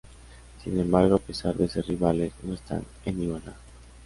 Sin embargo, a pesar de ser rivales, no están en igualdad.